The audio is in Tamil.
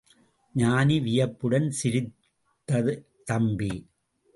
ஞானி வியப்புடன் சிரித்து, தம்பி!